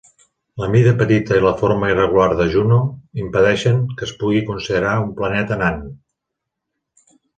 La mida petita i la forma irregular de Juno impedeixen que es pugui considerar un planeta nan.